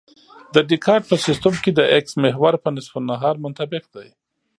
د دیکارت په سیستم کې د اکس محور په نصف النهار منطبق دی